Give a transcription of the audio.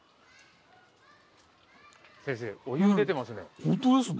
先生お湯出てますね。